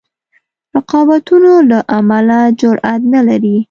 رقابتونو له امله جرأت نه لري.